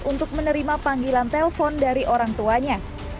untuk menerima panggilan telpon dari orang tuanya